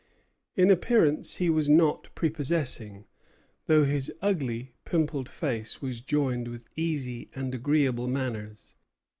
In appearance he was not prepossessing, though his ugly, pimpled face was joined with easy and agreeable manners.